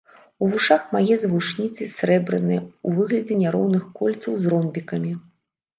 У вушах мае завушніцы срэбраныя ў выглядзе няроўных кольцаў з ромбікамі.